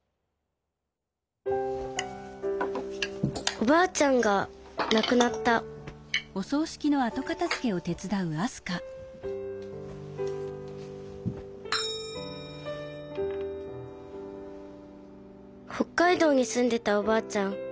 おばあちゃんがなくなった北海道にすんでたおばあちゃん